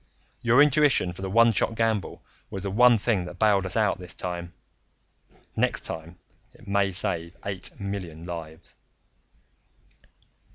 Your intuition for the one shot gamble was the one thing that bailed us out this time. Next time it may save eight million lives."